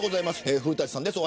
古舘さんです